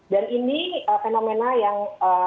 dan ini fenomena yang